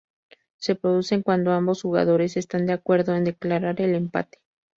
Se producen cuando ambos jugadores están de acuerdo en declarar el empate.